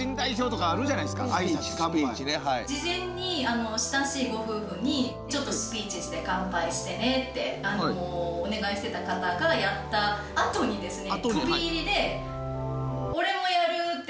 事前に親しいご夫婦にちょっとスピーチして乾杯してねってお願いしてた方がやったあとにですね